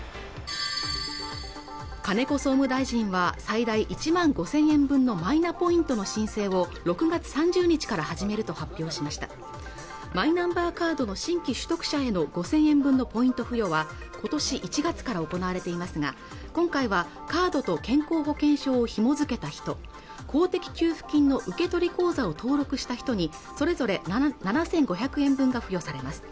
金子総務大臣は最大１万５０００円分のマイナポイントの申請を６月３０日から始めると発表しましたマイナンバーカードの新規取得者への５０００円分のポイント付与は今年１月から行われていますが今回はカードと健康保険証をひもづけた人公的給付金の受取口座を登録した人にそれぞれ７５００円分が付与されます